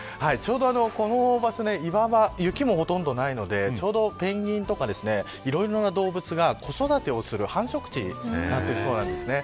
この場所、雪もほとんどないのでちょうどペンギンとかいろいろな動物が子育てをする繁殖地になっているそうなんです。